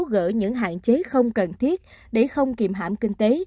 gỡ những hạn chế không cần thiết để không kìm hãm kinh tế